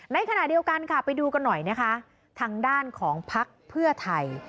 ในขณะเดียวกันค่ะไปดูกันหน่อยนะคะทางด้านของพักเพื่อไทย